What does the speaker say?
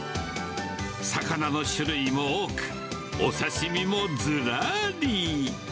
魚の種類も多く、お刺身もずらーり。